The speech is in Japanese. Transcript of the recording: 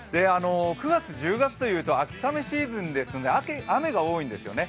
９月、１０月というと秋雨シーズンですが雨が多いんですよね。